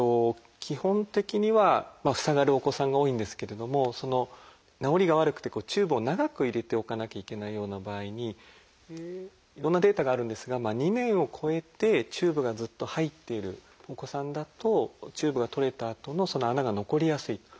基本的には塞がるお子さんが多いんですけれども治りが悪くてチューブを長く入れておかなきゃいけないような場合にいろんなデータがあるんですが２年を超えてチューブがずっと入っているお子さんだとチューブが取れたあとのその穴が残りやすい。